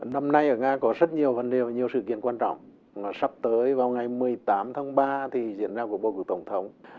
năm nay ở nga có rất nhiều vấn đề và nhiều sự kiện quan trọng sắp tới vào ngày một mươi tám tháng ba thì diễn ra cuộc bầu cử tổng thống